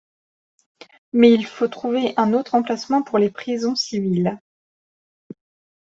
Mais il faut trouver un autre emplacement pour les prisons civiles.